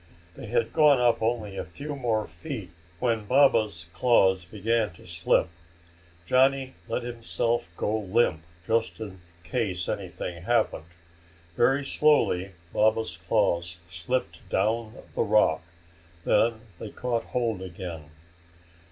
They had gone up only a few more feet when Baba's claws began to slip. Johnny let himself go limp just in case anything happened. Very slowly Baba's claws slipped down the rock. Then they caught hold again.